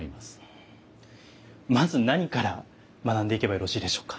まず何から学んでいけばよろしいでしょうか。